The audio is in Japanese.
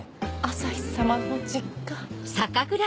朝陽様の実家。